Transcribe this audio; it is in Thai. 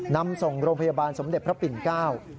นำส่งโรงพยาบาลสมเด็จพระปิ่นเก้า